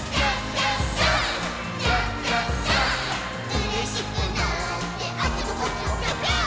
「うれしくなってあっちもこっちもぴょぴょーん」